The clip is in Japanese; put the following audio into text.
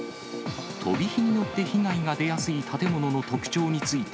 飛び火によって被害が出やすい建